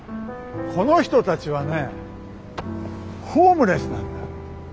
この人たちはねホームレスなんだ。